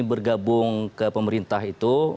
bergabung ke pemerintah itu